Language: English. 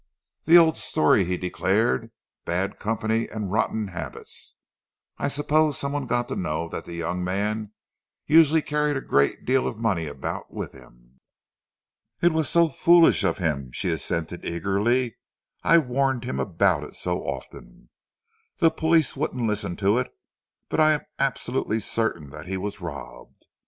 "The old story," he declared, "bad company and rotten habits. I suppose some one got to know that the young man usually carried a great deal of money about with him." "It was so foolish of him," she assented eagerly: "I warned him about it so often. The police won't listen to it but I am absolutely certain that he was robbed.